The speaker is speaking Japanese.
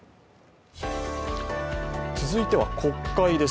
続いては国会です。